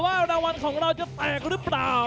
รางวัลของเราจะแตกหรือเปล่า